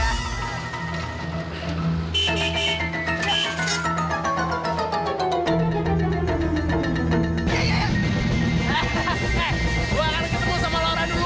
gua akan ketemu sama lo orang duluan